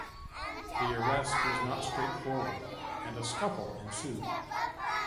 The arrest was not straightforward, and a scuffle ensued.